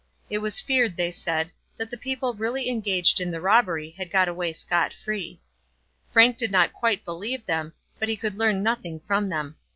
It was feared, they said, that the people really engaged in the robbery had got away scot free. Frank did not quite believe them, but he could learn nothing from them.